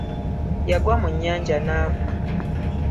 Yagwa mu nnyanja n'afa.